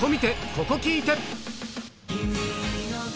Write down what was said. ここ聴いて！